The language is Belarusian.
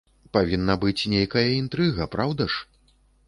Павінна быць нейкая інтрыга, праўда ж?!